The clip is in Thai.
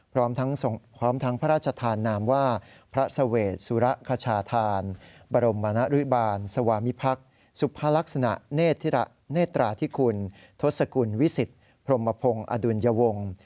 พร้อมทั้งพร้อมทั้งพระราชทานนามว่าพระเสวดสุระคชาธานบรมนริบาลสวามิพักษ์สุภาลักษณะเนตราธิคุณทศกุลวิสิตพรมพงศ์อดุลยวงศ์